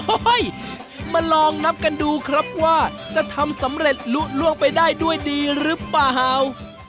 มาลองนับกันดูครับว่าจะทำสำเร็จลุล่วงไปได้ด้วยดีหรือเปล่า